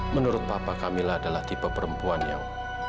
menurut papa kamila adalah tipe perempuan yang